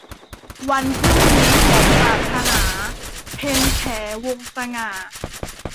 วันพรุ่งนี้ของปรารถนา - เพ็ญแข วงศ์สง่า